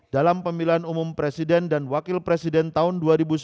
dalam pemilihan umum presiden dan wakil presiden tahun dua ribu sembilan belas